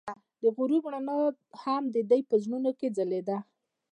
د غروب رڼا هم د دوی په زړونو کې ځلېده.